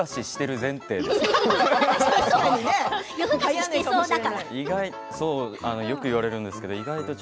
そうかもしれない。